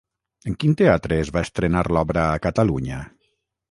En quin teatre es va estrenar l'obra a Catalunya?